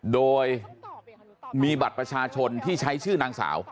โดยมีบัตรประชาชนที่ใช้ชื่อนางสาว